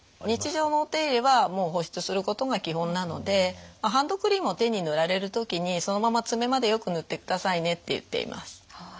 日常のお手入れはもう保湿することが基本なのでハンドクリームを手に塗られる時に「そのまま爪までよく塗ってくださいね」って言っています。